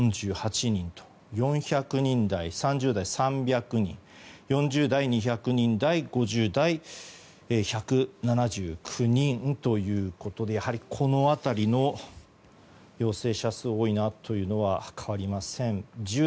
３０代は３００人４０代、２００人台５０代、１７９人ということでやはり、２０代から５０代の陽性者数が多いなというのは変わりません。